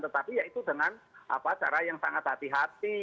tetapi ya itu dengan cara yang sangat hati hati